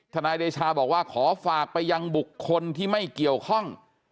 นายเดชาบอกว่าขอฝากไปยังบุคคลที่ไม่เกี่ยวข้อง